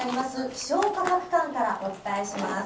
気象科学館からお伝えします。